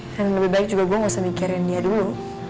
dan lebih baik juga gue gak usah mikirin dia dulu